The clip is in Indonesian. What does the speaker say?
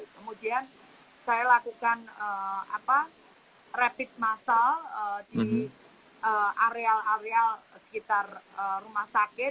kemudian saya lakukan rapid massal di areal areal sekitar rumah sakit